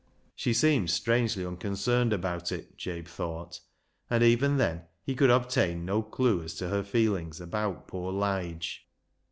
She seemed strangely unconcerned about it, Jabe thought, and even then he could obtain no clue as to her feelings about poor Lige.